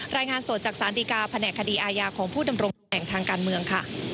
รายงานสดจากสารดีกาแผนกคดีอาญาของผู้ดำรงตำแหน่งทางการเมืองค่ะ